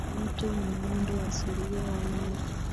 Mto ni mwendo asilia wa maji